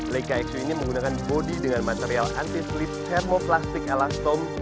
leica xu ini menggunakan bodi dengan material anti slip thermoplastic elastom